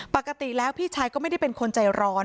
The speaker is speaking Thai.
ปกติแล้วพี่ชายก็ไม่ได้เป็นคนใจร้อน